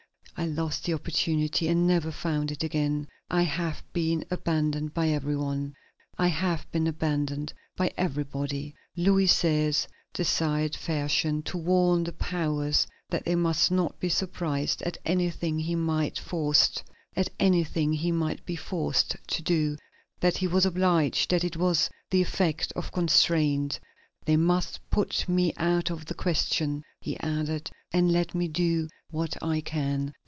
I lost the opportunity and never found it again. I have been abandoned by everybody.'" Louis XVI. desired Fersen to warn the Powers that they must not be surprised at anything he might be forced to do; that he was obliged, that it was the effect of constraint. "They must put me out of the question," he added, "and let me do what I can."